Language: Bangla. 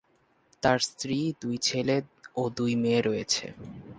তাঁর স্ত্রী, দুই ছেলে ও দুই মেয়ে রয়েছে।